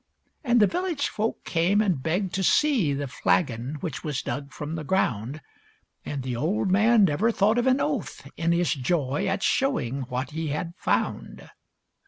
And the village folk came and begged to see The flagon which was dug from the ground. And the old man never thought of an oath, in his joy At showing what he had found.